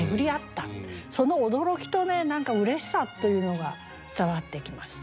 その驚きとうれしさというのが伝わってきます。